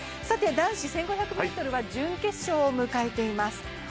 男子１５００ｍは準決勝を迎えています